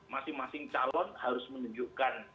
masing masing calon harus menunjukkan